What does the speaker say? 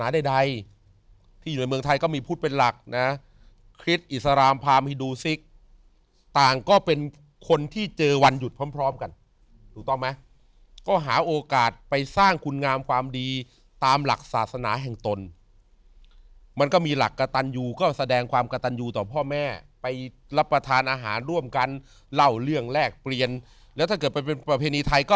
ใดที่อยู่ในเมืองไทยก็มีพุทธเป็นหลักนะคริสต์อิสรามพามฮิดูซิกต่างก็เป็นคนที่เจอวันหยุดพร้อมพร้อมกันถูกต้องไหมก็หาโอกาสไปสร้างคุณงามความดีตามหลักศาสนาแห่งตนมันก็มีหลักกระตันยูก็แสดงความกระตันยูต่อพ่อแม่ไปรับประทานอาหารร่วมกันเล่าเรื่องแรกเปลี่ยนแล้วถ้าเกิดเป็นประเพณีไทยก็